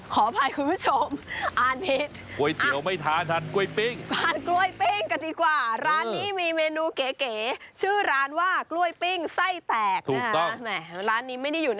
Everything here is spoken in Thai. ขออภัยคุณผู้ชมอ่านผิด